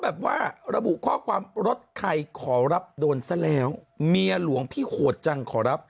แบบว่าระบุข้อความรถใครขอรับโดนซะแล้วเมียหลวงพี่โหดจังขอรับ